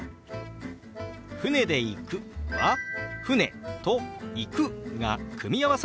「船で行く」は「船」と「行く」が組み合わさった表現でした。